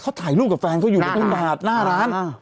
เขาถ่ายรูปกับแฟนเขาอยู่ในทุ่งนาร้าน